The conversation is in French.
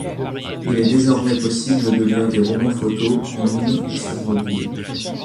Il est désormais possible de lire des romans-photos en ligne et sur mobile.